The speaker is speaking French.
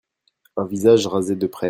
Un visage rasé de près.